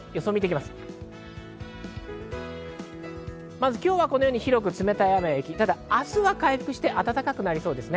まず今日はこのように広く冷たい雨や雪、明日は回復して暖かくなりそうですね。